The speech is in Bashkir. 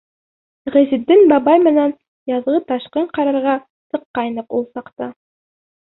Ғизетдин бабай менән яҙғы ташҡын ҡарарға сыҡҡайныҡ ул саҡта.